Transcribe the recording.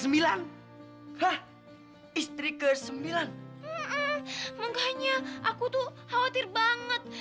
enggak menggaknya aku tuh khawatir banget